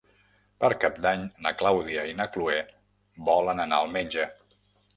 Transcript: Per Cap d'Any na Clàudia i na Cloè volen anar al metge.